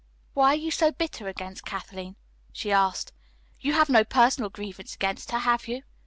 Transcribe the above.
"Why are you so bitter against Kathleen?" she asked. "You have no personal grievance against her, have you?"